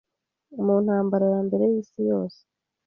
mu Ntambara ya Mbere y'Isi Yose